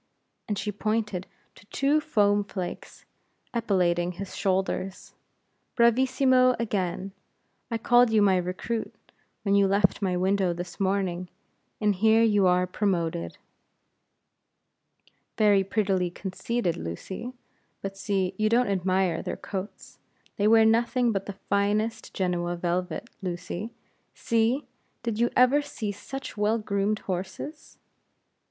and she pointed to two foam flakes epauletting his shoulders. "Bravissimo again! I called you my recruit, when you left my window this morning, and here you are promoted." "Very prettily conceited, Lucy. But see, you don't admire their coats; they wear nothing but the finest Genoa velvet, Lucy. See! did you ever see such well groomed horses?"